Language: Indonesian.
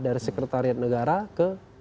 dari sekretariat negara ke